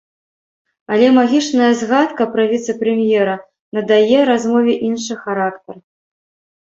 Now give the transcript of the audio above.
Але магічная згадка пра віцэ-прэм'ера надае размове іншы характар.